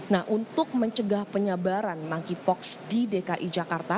nah untuk mencegah penyebaran monkeypox di dki jakarta